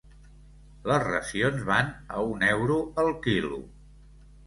Les racions van a un euro el quilo.